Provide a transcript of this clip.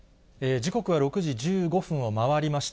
時刻は６時１５分を回りました。